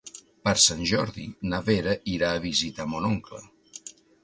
Per Sant Jordi na Vera irà a visitar mon oncle.